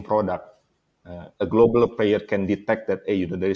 pemain global dapat mengetahui